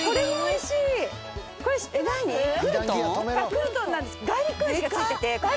クルトンなんです。